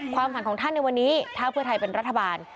ความฝันของท่านในวันนี้ถ้าเพื่อไทยเป็นรัฐบาล